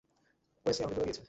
Wesley আমাকে গুঁতা দিয়েছে।